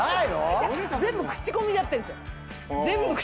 全部口コミでやってるんですよ。